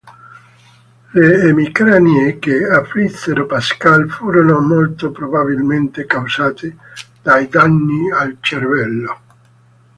Le emicranie che afflissero Pascal furono molto probabilmente causate dai danni al cervello.